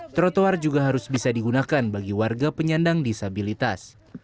trotoar juga harus bisa digunakan bagi warga penyandang disabilitas